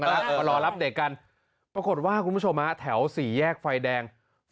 มารอรับเด็กกันปรากฏว่าคุณผู้ชมฮะแถวสี่แยกไฟแดง